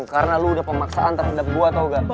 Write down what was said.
karena lo udah pemaksaan terhadap gue tau gak